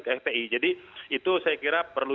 ke fpi jadi itu saya kira perlu